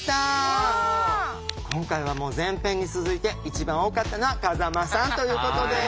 今回はもう前編に続いて一番多かったのは風間さんということです。